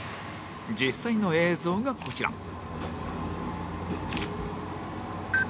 実際の映像がこちら